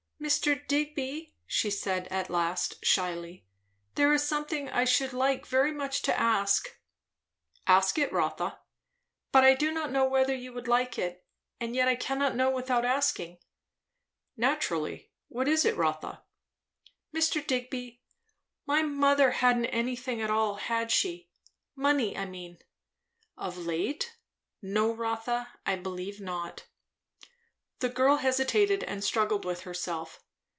"Mr. Digby," she said at last shyly, "there is something I should like very much to ask." "Ask it, Rotha." "But I do not know whether you would like it and yet I cannot know without asking " "Naturally. What is it, Rotha?" "Mr. Digby, my mother hadn't anything at all, had she? Money, I mean." "Of late? No, Rotha, I believe not." The girl hesitated and struggled with herself.